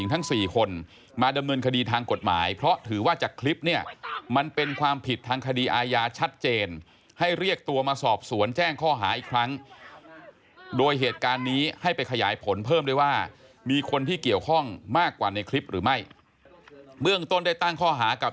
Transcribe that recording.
ทั้ง๔คนมาดำเนินคดีทางกฎหมายเพราะถือว่าจากคลิปเนี่ยมันเป็นความผิดทางคดีอาญาชัดเจนให้เรียกตัวมาสอบสวนแจ้งข้อหาอีกครั้งโดยเหตุการณ์นี้ให้ไปขยายผลเพิ่มด้วยว่ามีคนที่เกี่ยวข้องมากกว่าในคลิปหรือไม่เบื้องต้นได้ตั้งข้อหากับ